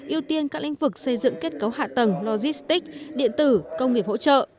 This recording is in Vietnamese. ưu tiên các lĩnh vực xây dựng kết cấu hạ tầng logistics điện tử công nghiệp hỗ trợ